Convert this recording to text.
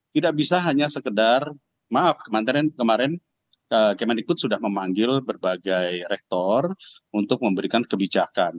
tidak bisa hanya sekedar maaf kemarin kemendikbud sudah memanggil berbagai rektor untuk memberikan kebijakan